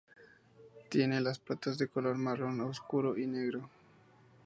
Tiene las patas de color marrón oscuro y negro.